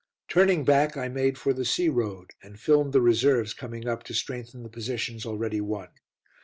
Turning back, I made for the sea road, and filmed the reserves coming up to strengthen the positions already won.